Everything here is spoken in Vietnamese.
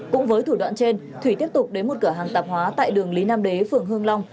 cũng với thủ đoạn trên thủy tiếp tục đến một cửa hàng tạp hóa tại đường lý nam đế phường hương long